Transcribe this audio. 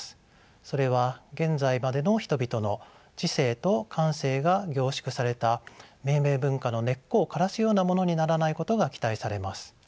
それは現在までの人々の知性と感性が凝縮された命名文化の根っこを枯らすようなものにならないことが期待されます。